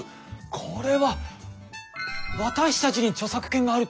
これは私たちに著作権があるってことですね！